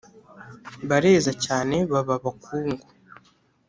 Bareza cyane baba abakungu.